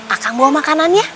akan bawa makanannya